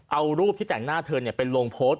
เอารูปที่แต่งหน้าเธอไปลงโพสต์